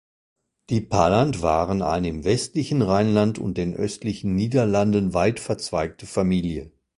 Die Palant waren eine im westlichen Rheinland und den östlichen Niederlanden weit verzweigte Familie.